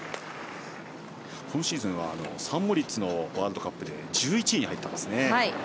今シーズンはサンモリッツのワールドカップで１１位に入ったんですね。